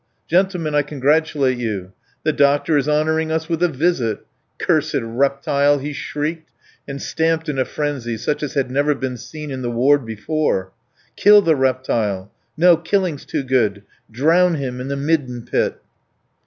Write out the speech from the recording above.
Gentlemen, I congratulate you. The doctor is honouring us with a visit! Cursed reptile!" he shrieked, and stamped in a frenzy such as had never been seen in the ward before. "Kill the reptile! No, killing's too good. Drown him in the midden pit!"